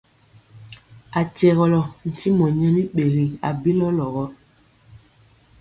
A kyɛgɔlɔ ntimɔ nyɛ mi ɓegi abilɔlɔ.